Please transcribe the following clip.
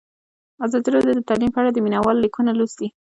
ازادي راډیو د تعلیم په اړه د مینه والو لیکونه لوستي.